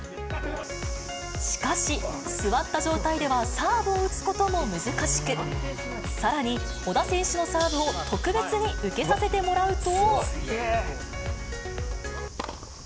しかし、座った状態ではサーブを打つことも難しく、さらに小田選手のサーブを特別に受けさせてもらうと。